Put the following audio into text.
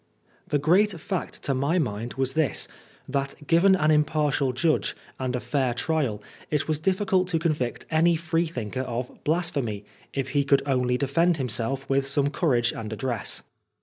The great fact to my mind was this, that given an impartial judge, and a fair trisd, it was difiBlcult to convict any Free thinker of '' blasphemy" if he could only defend himself with some courage and address.